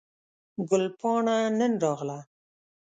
ګل پاڼه نن راغله